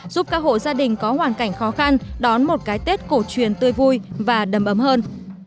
giúp các hộ gia đình có hoàn cảnh khó khăn đón một cái tết cổ truyền tươi vui và đầm ấm hơn